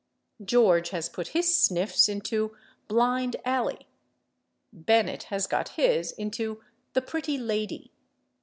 George has put his sniffs into "Blind Alley"; Bennett has got his into "The Pretty Lady."